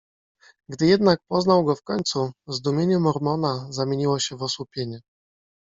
"Gdy jednak poznał go w końcu, zdumienie Mormona zamieniło się w osłupienie."